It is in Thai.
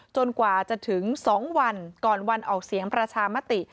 กว่าจะถึง๒วันก่อนวันออกเสียงประชามติ